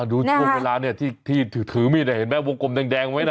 ดูทุกเวลาที่ถือมีวงกลมแดงไหมนะ